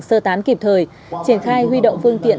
sơ tán kịp thời triển khai huy động phương tiện